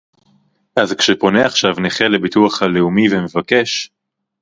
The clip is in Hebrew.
אז כשפונה עכשיו נכה לביטוח הלאומי ומבקש